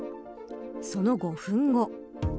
その５分後。